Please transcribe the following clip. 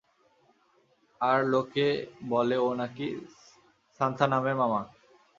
আর লোকে বলে ও নাকি সান্থানামের মামা।